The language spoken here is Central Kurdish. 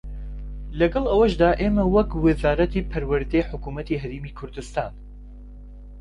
لەگەڵ ئەوەشدا ئێمە وەک وەزارەتی پەروەردەی حکوومەتی هەرێمی کوردستان